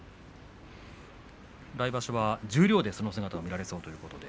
来場所は十両でその姿が見られそうです。